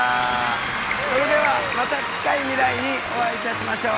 それではまた近い未来にお会いいたしましょう。